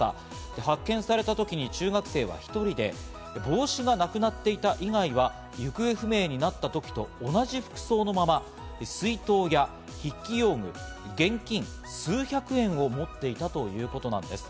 発見されたときに中学生は１人で、帽子がなくなっていた以外は行方不明になったときと同じ服装のまま、水筒や筆記用具、現金数百円を持っていたということなんです。